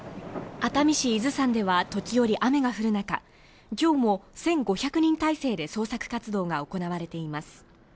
熱海市伊豆山では時折、雨が降る中、今日も１５００人態勢で捜索活動が行われています。